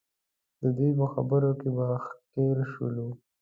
د دوی پر خبرو کې به ښکېل شولو.